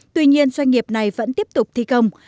tuy nhiên doanh nghiệp này vẫn tiếp tục thi công